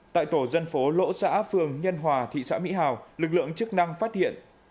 tại tổ dân phố lỗ xã phường nhân hòa thị xã mỹ hào lực lượng chức năng phát hiện